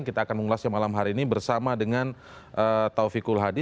kita akan mengulasnya malam hari ini bersama dengan taufikul hadi